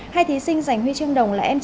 hai thí sinh giành huy chương bạc